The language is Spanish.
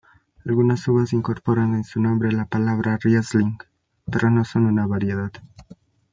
Algunas uvas incorporan en su nombre la palabra "riesling" pero no son esa variedad.